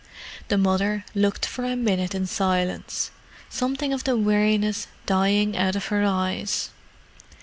The mother looked for a minute in silence, something of the weariness dying out of her eyes.